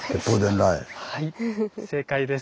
はい正解です。